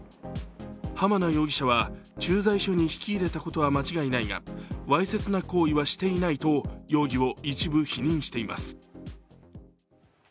濱名容疑者は、駐在所に引き入れたことは間違いないがわいせつな行為はしていないと容疑を一部否認しています。